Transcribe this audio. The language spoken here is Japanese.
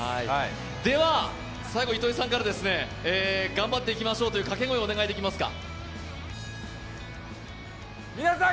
では、最後に糸井さんから頑張っていきましょうというかけ声をお願いできますか。